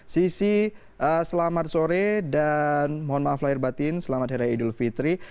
sisi selamat sore dan mohon maaf lahir batin selamat hari raya idul fitri